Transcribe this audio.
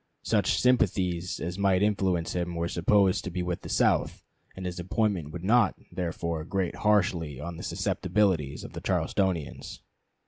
Such sympathies as might influence him were supposed to be with the South, and his appointment would not, therefore, grate harshly on the susceptibilities of the Charlestonians.